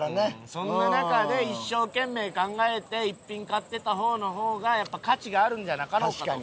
そんな中で一生懸命考えて一品買ってた方の方がやっぱ価値があるんじゃなかろうかと。